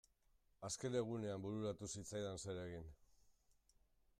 Azken egunean bururatu zitzaidan zer egin.